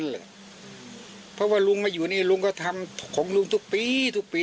แหละเพราะว่าลุงมาอยู่นี่ลุงก็ทำของลุงทุกปีทุกปี